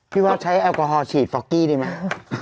พี่ว่าใช้แอลกอฮอลฉีดฟอกกี้ดีไหม